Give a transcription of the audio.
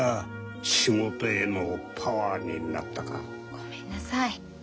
ごめんなさい。